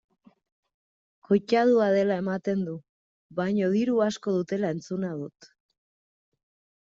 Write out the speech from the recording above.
Koitadua dela ematen du baina diru asko dutela entzuna dut.